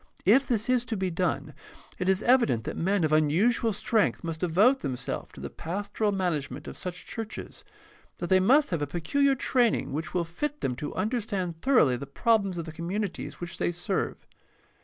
If this is to be done, it is evident that men of unusual strength must devote themselves to the pas toral management of such churches, and that they must have a peculiar training which will fit them to understand thor oughly the problems of the communities which they serve.